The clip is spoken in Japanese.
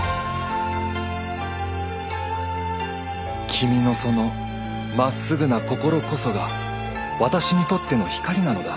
君のそのまっすぐな心こそが私にとっての光なのだ。